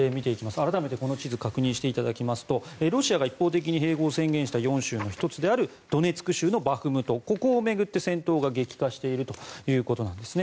改めてこの地図を確認していただきますとロシア一方的に併合を宣言した４州の１つであるドネツク州のバフムトここを巡って戦闘が激化しているということなんですね。